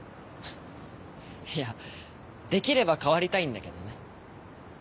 いやできれば変わりたいんだけどね。